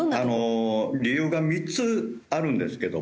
理由が３つあるんですけども。